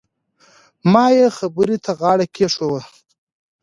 ما يې خبرې ته غاړه کېښووه.